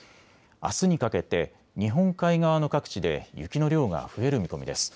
あすにかけて日本海側の各地で雪の量が増える見込みです。